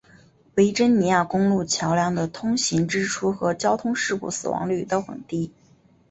维珍尼亚公路桥梁的通行支出和交通事故死亡率都很低。